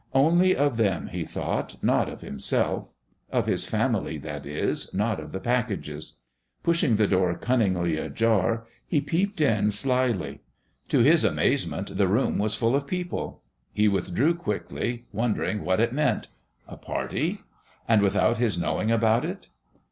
Only of them he thought, not of himself of his family, that is, not of the packages. Pushing the door cunningly ajar, he peeped in slyly. To his amazement, the room was full of people! He withdrew quickly, wondering what it meant. A party? And without his knowing about it!